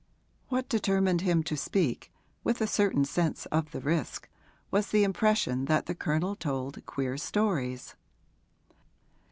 What determined him to speak, with a certain sense of the risk, was the impression that the Colonel told queer stories.